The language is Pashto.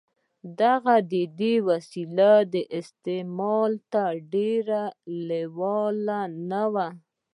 هغه د دې وسیلې استعمال ته ډېر لېوال نه و